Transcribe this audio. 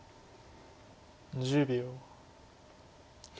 １０秒。